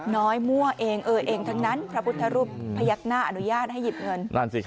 มั่วเองเออเองทั้งนั้นพระพุทธรูปพยักหน้าอนุญาตให้หยิบเงิน